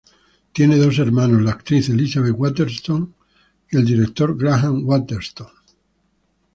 Tiene dos hermanos: la actriz Elisabeth Waterston y el director Graham Waterston.